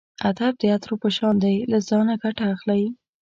ادب د عطرو په شان دی له ځانه ګټه اخلئ.